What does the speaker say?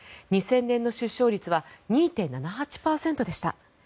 ２０００年の出生率は２．７８％でした。